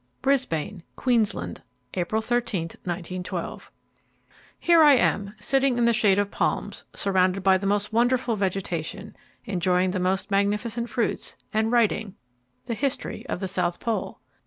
Brisbane, Queensland, April 13, 1912. Here I am, sitting in the shade of palms, surrounded by the most wonderful vegetation, enjoying the most magnificent fruits, and writing the history of the South Pole.